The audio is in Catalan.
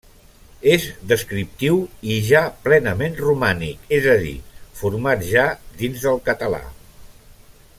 És descriptiu, i ja plenament romànic, és a dir, format ja dins del català.